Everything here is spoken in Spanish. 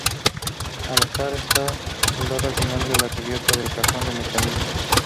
El alza está soldada al final de la cubierta del cajón de mecanismos.